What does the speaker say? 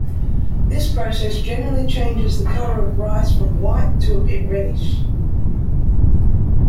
This process generally changes the colour of rice from white to a bit reddish.